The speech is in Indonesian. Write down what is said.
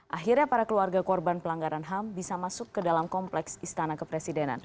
akhirnya para keluarga korban pelanggaran ham bisa masuk ke dalam kompleks istana kepresidenan